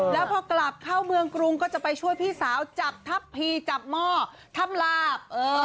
แล้วพอกลับเข้าเมืองกรุงก็จะไปช่วยพี่สาวจับทัพพีจับหม้อทับลาบ